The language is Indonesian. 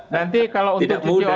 nanti kalau untuk cuci otak